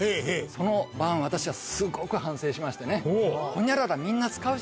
その晩私はすごく反省しましてね。